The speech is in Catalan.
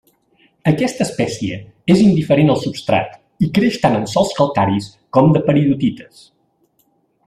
Aquesta espècie és indiferent al substrat, i creix tant en sòls calcaris com de peridotites.